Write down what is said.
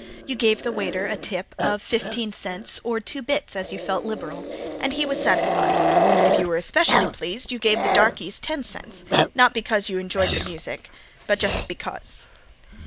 You gave the waiter a tip of fifteen cents or "two bits" as you felt liberal, and he was satisfied. If you were especially pleased you gave the darkeys ten cents, not because you enjoyed the music, but just "because."